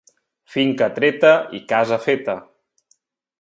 Finca treta i casa feta.